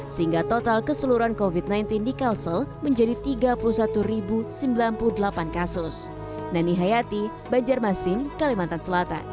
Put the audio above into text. sehingga total keseluruhan covid sembilan belas di kalsel menjadi tiga puluh satu sembilan puluh delapan kasus